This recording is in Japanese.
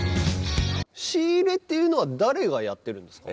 仕入れっていうのは誰がやってるんですか？